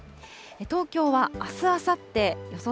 東京はあす、あさって予想